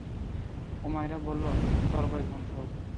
উমাইর বলল, তরবারী ধ্বংস হোক।